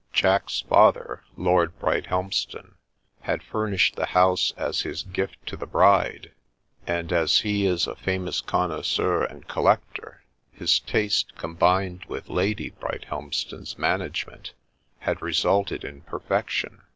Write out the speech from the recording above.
Jack's father, Lord Brighthelm ston, had furnished the house as his gift to the bride, and as he is a famous connoisseur and collector, his taste, combined with Lady Brighthelmston's man agement, had resulted in perfection.